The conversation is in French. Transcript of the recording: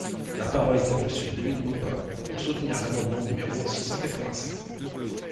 La parole est à Monsieur Denis Baupin, pour soutenir l’amendement numéro six cent quatre-vingt-seize.